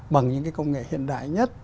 bằng những cái công nghệ hiện đại nhất